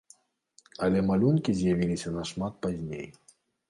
Але малюнкі з'явіліся нашмат пазней.